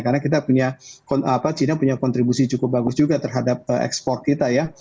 karena china punya kontribusi cukup bagus juga terhadap ekspor kita ya